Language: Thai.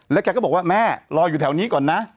แกก็บอกว่าแม่รออยู่แถวนี้ก่อนนะ